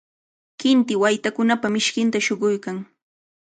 qinti waytakunapa mishkinta shuquykan.